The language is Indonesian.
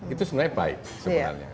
itu sebenarnya baik sebenarnya